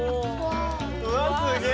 うわっすげえ！